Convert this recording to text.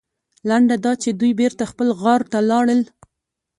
لنډه دا چې دوی بېرته خپل غار ته لاړل.